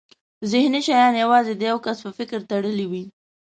ذهني شیان یوازې د یو کس په فکر تړلي وي.